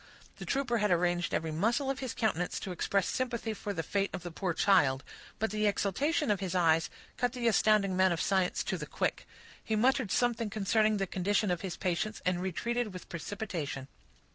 The trooper had arranged every muscle of his countenance to express sympathy for the fate of the poor child; but the exultation of his eyes cut the astounded man of science to the quick; he muttered something concerning the condition of his patients, and retreated with precipitation.